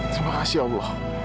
terima kasih allah